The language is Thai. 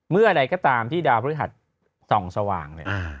อะไรก็ตามที่ดาวพฤหัสส่องสว่างเนี่ย